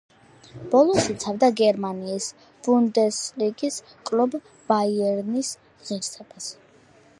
ბოლოს იცავდა გერმანიის ბუნდესლიგის კლუბ „ბაიერნის“ ღირსებას.